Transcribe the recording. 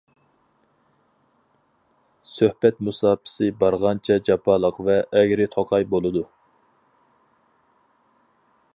سۆھبەت مۇساپىسى بارغانچە جاپالىق ۋە ئەگرى توقاي بولىدۇ.